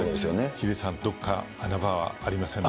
ヒデさん、どっか穴場ありませんか？